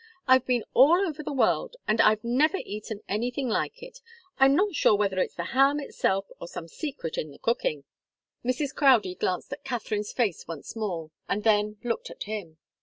I've been all over the world, and I've never eaten anything like it. I'm not sure whether it's the ham itself, or some secret in the cooking." Mrs. Crowdie glanced at Katharine's face once more, and then looked at him.